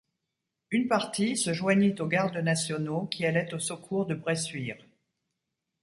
Une partie se joignit aux gardes nationaux qui allaient au secours de Bressuire.